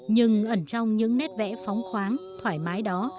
nhưng ẩn trong những nét vẽ phóng khoáng thoải mái đó